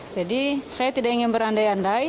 jadi saya tidak ingin berandai andai